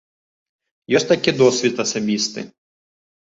Ёсць такі досвед асабісты.